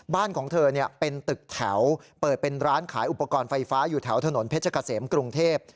บ้านของเธอเป็นตึกแถวเปิดเป็นร้านขายอุปกรณ์ไฟฟ้าอยู่แถวถนนเพชรเกษมกรุงเทพ